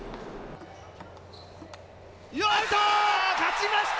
やった！